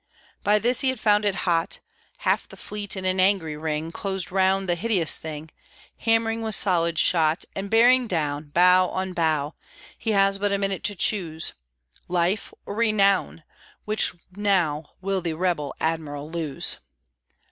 By this, he had found it hot; Half the fleet, in an angry ring, Closed round the hideous thing, Hammering with solid shot, And bearing down, bow on bow; He has but a minute to choose, Life or renown? which now Will the Rebel Admiral lose?